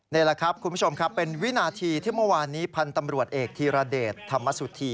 นี่แหละครับคุณผู้ชมครับเป็นวินาทีที่เมื่อวานนี้พันธ์ตำรวจเอกธีรเดชธรรมสุธี